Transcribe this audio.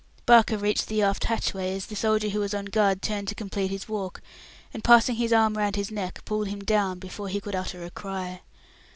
Barker reached the aft hatchway as the soldier who was on guard turned to complete his walk, and passing his arm round his neck, pulled him down before he could utter a cry.